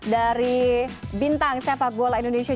dari bintang sepak bola indonesia